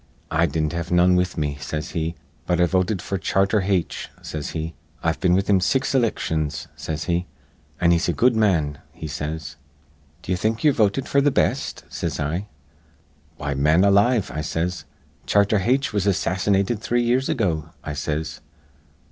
'I didn't have none with me,' says he, 'but I voted f'r Charter Haitch,' says he. 'I've been with him in six ilictions,' says he, 'an' he's a good man,' he says. 'D'ye think ye're votin' f'r th' best?' says I. 'Why, man alive,' I says, 'Charter Haitch was assassinated three years ago,' I says.